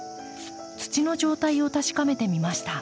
土の状態を確かめてみました。